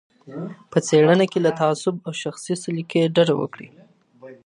په څېړنه کي له تعصب او شخصي سلیقې ډډه وکړئ.